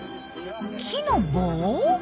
木の棒！？